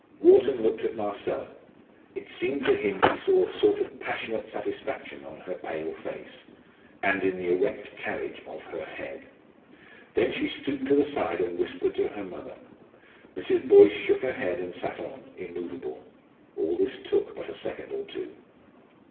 Wharton looked at Marcella; it seemed to him he saw a sort of passionate satisfaction on her pale face, and in the erect carriage of her head. Then she stooped to the side and whispered to her mother. Mrs. Boyce shook her head and sat on, immovable. All this took but a second or two.